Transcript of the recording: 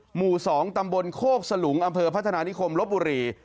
หมู่๒ตำบลโคกสลุงอำเภอพัฒนานิคมลบบุรี